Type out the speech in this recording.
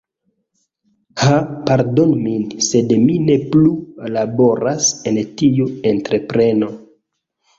"Ha pardonu min, sed mi ne plu laboras en tiu entrepreno.